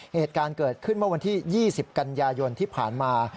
เหตุการณ์เกิดขึ้นเมื่อวันที่๒๐กันยายนที่ผ่านมา